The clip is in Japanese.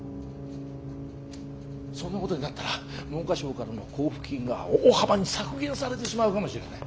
そんなことになったら文科省からの交付金が大幅に削減されてしまうかもしれない。